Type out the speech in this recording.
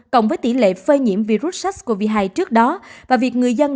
cộng với tỷ lệ phơi nhiễm virus sars cov hai trước đó và việc người dân